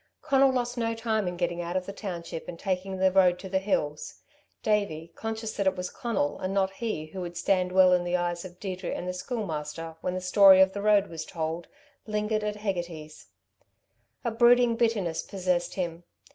Conal lost no time in getting out of the township and taking the road to the hills, Davey, conscious that it was Conal, and not he, who would stand well in the eyes of Deirdre and the Schoolmaster when the story of the road was told, lingered at Hegarty's. A brooding bitterness possessed him.